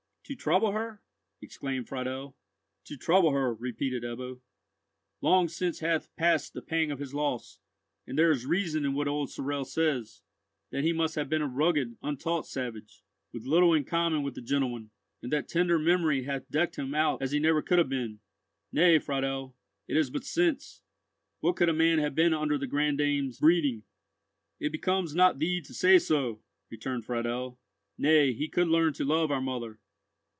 "To trouble her?" exclaimed Friedel. "To trouble her," repeated Ebbo. "Long since hath passed the pang of his loss, and there is reason in what old Sorel says, that he must have been a rugged, untaught savage, with little in common with the gentle one, and that tender memory hath decked him out as he never could have been. Nay, Friedel, it is but sense. What could a man have been under the granddame's breeding?" "It becomes not thee to say so!" returned Friedel. "Nay, he could learn to love our mother."